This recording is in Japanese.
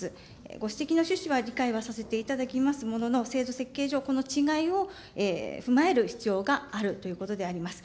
ご指摘の趣旨は理解はさせていただきますものの、制度設計上、この違いを踏まえる必要があるということであります。